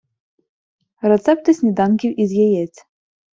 Рецепти сніданків із яєць